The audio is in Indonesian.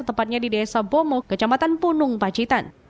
tepatnya di desa bomo kecamatan punung pacitan